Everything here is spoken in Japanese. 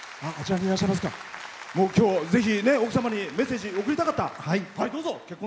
きょう、ぜひ奥様にメッセージ、送りたかった。